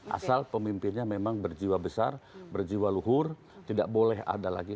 asal pemimpinnya memang berjiwa besar berjiwa luhur tidak boleh ada lagi